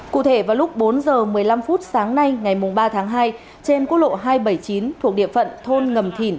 cụ thể vào lúc bốn h một mươi năm phút sáng nay ngày ba tháng hai trên quốc lộ hai trăm bảy mươi chín thuộc địa phận thôn ngầm thìn